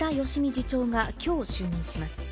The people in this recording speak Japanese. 次長がきょう就任します。